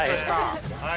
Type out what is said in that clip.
はい。